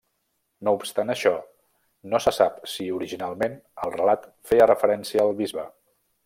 No obstant això, no se sap si originalment el relat feia referència al bisbe.